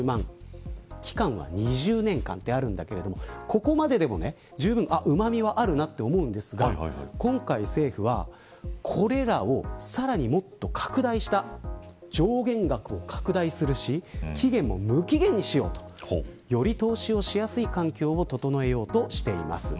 ここまででも、じゅうぶんうまみはあるなと思うんですが今回、政府はこれらをさらにもっと拡大した上限額を拡大するし期限も無期限にしようと。より投資をしやすい環境を整えようとしています。